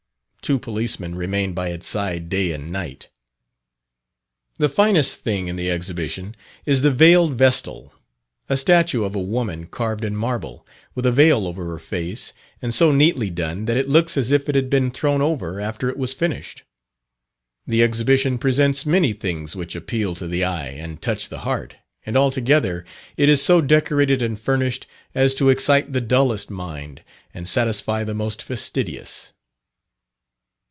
Two policemen remain by its side day and night. The finest thing in the Exhibition, is the "Veiled Vestal," a statue of a woman carved in marble, with a veil over her face, and so neatly done, that it looks as if it had been thrown over after it was finished. The Exhibition presents many things which appeal to the eye and touch the heart, and altogether, it is so decorated and furnished, as to excite the dullest mind, and satisfy the most fastidious.